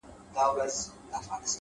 دلته ولور گټمه؛